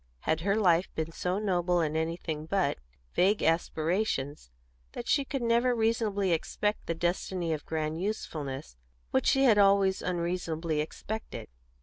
Had her life been so noble in anything but vague aspirations that she could ever reasonably expect the destiny of grand usefulness which she had always unreasonably expected?